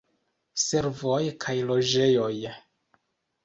Servoj kaj loĝejoj.